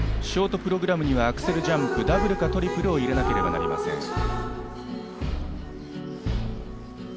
ショートプログラムには、アクセルジャンプ、ダブルかトリプルを入れなければなりません。